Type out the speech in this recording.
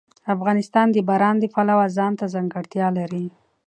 افغانستان د باران د پلوه ځانته ځانګړتیا لري.